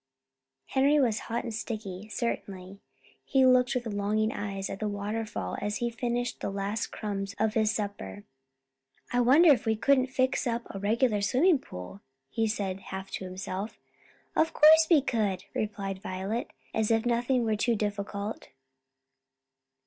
Henry was hot and sticky, certainly. He looked with longing eyes at the waterfall as he finished the last crumbs of his supper. "I wonder if we couldn't fix up a regular swimming pool," he said, half to himself. "Of course we could," replied Violet, as if nothing were too difficult.